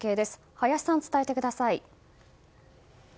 林さん伝えてください。